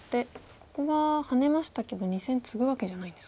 ここはハネましたけど２線ツグわけじゃないんですか。